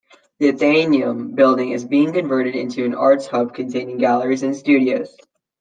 The Athenaeum building is being converted into an arts hub containing galleries and studios.